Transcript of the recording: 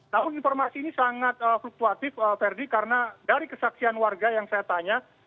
namun informasi ini sangat fluktuatif verdi karena dari kesaksian warga yang saya tanya